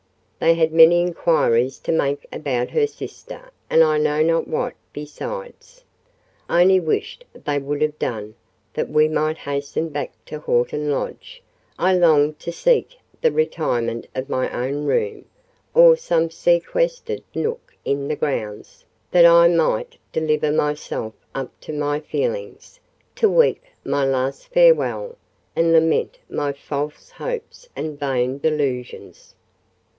They had many inquiries to make about her sister, and I know not what besides. I only wished they would have done, that we might hasten back to Horton Lodge: I longed to seek the retirement of my own room, or some sequestered nook in the grounds, that I might deliver myself up to my feelings—to weep my last farewell, and lament my false hopes and vain delusions.